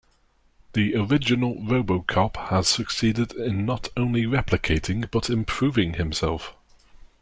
The original RoboCop has succeeded in not only replicating, but improving himself.